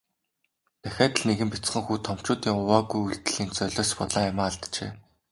Дахиад л нэгэн бяцхан хүү томчуудын увайгүй үйлдлийн золиос болон амиа алджээ.